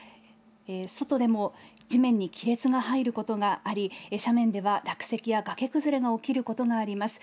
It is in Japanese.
外でも地面に亀裂が入ることがあり、斜面では落石や崖崩れが起きることがあります。